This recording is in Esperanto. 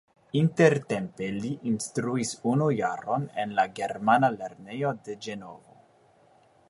Intertempe li instruis unu jaron en la germana lernejo de Ĝenovo.